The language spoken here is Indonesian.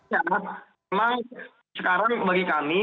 ya memang sekarang bagi kami